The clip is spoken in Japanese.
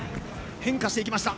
変化していきました。